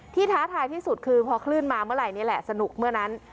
ท้าทายที่สุดคือพอคลื่นมาเมื่อไหร่นี่แหละสนุกเมื่อนั้น